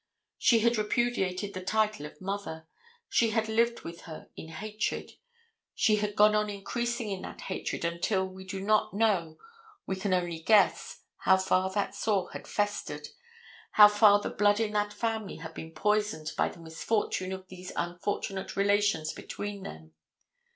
She had repudiated the title of mother. She had lived with her in hatred. She had gone on increasing in that hatred until we do not know, we can only guess, how far that sore had festered, how far the blood in that family had been poisoned by the misfortune of these unfortunate relations between them.